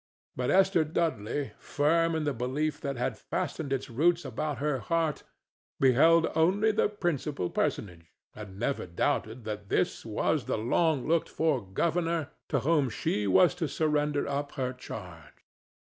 But Esther Dudley, firm in the belief that had fastened its roots about her heart, beheld only the principal personage, and never doubted that this was the long looked for governor to whom she was to surrender up her charge.